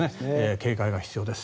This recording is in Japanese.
警戒が必要です。